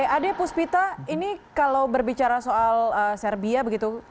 ade puspita ini kalau berbicara soal serbia begitu